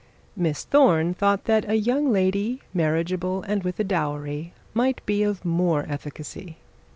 Miss Thorne thought that a young lady, marriageable, and with a dowry, might be of more efficacy.